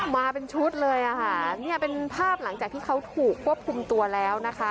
มาเป็นชุดเลยอ่ะค่ะเนี่ยเป็นภาพหลังจากที่เขาถูกควบคุมตัวแล้วนะคะ